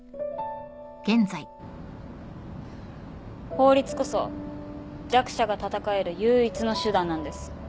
法律こそ弱者が戦える唯一の手段なんです。